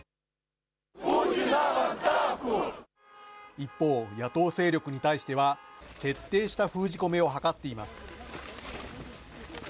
一方、野党勢力に対しては、徹底した封じ込めを図っています。